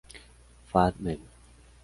Fan Mem.